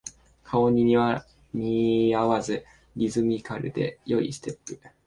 顔に似合わずリズミカルで良いステップ